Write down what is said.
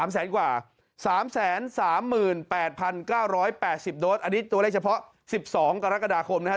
๓แสนกว่า๓๓๘๙๘๐โดสอันนี้ตัวเลขเฉพาะ๑๒กรกฎาคมนะฮะ